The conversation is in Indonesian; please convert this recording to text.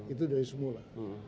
itu dari semula